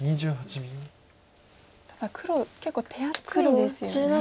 ただ黒結構手厚いですよね。